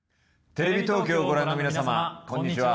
テレビ東京をご覧の皆様こんにちは。